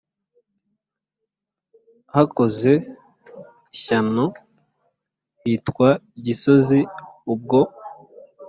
hakoze ishyano hitwa gisozi ubwo